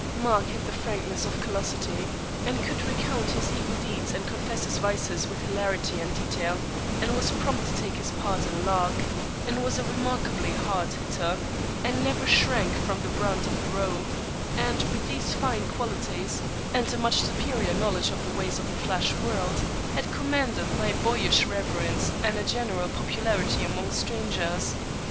Mark had the frankness of callosity, and could recount his evil deeds and confess his vices with hilarity and detail, and was prompt to take his part in a lark, and was a remarkably hard hitter, and never shrank from the brunt of the row; and with these fine qualities, and a much superior knowledge of the ways of the flash world, had commanded my boyish reverence and a general popularity among strangers.